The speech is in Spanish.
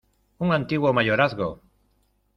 ¡ un antiguo mayorazgo!